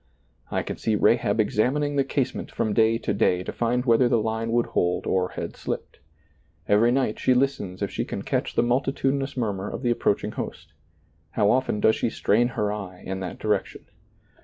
I can see Rahab examining the casement from day to day to find whether the line would hold or had slipped. Evety night she listens if she can catch the multitudinous murmur of the approaching host; how often does she strain her eye in that direction.